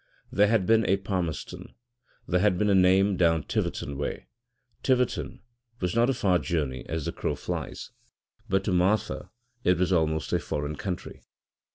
There had been a Palmerston, that had been a name down Tiverton way; Tiverton was not a far journey as the crow flies, but to Martha it was almost a foreign country.